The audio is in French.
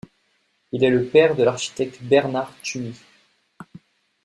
Il est le père de l'architecte Bernard Tschumi.